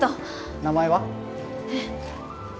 名前は？えっ。